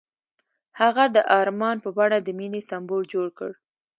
هغه د آرمان په بڼه د مینې سمبول جوړ کړ.